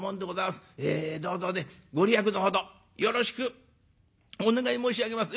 えどうぞね御利益のほどよろしくお願い申し上げます。